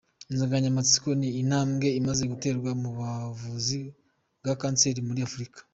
Insanganyamatsiko ni : “Intambwe imaze guterwa mu buvuzi bwa Kanseri muri Afurika”.